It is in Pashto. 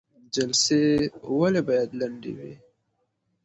جلسې ولې باید لنډې وي؟